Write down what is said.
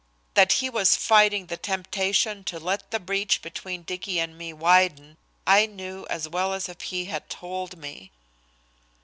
That he was fighting the temptation to let the breach between Dicky and me widen, I knew as well as if he had told me.